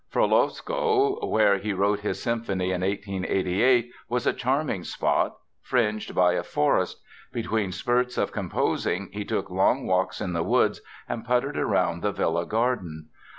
Frolovskoe, where he wrote his symphony in 1888, was a charming spot, fringed by a forest. Between spurts of composing he took long walks in the woods and puttered around the villa garden.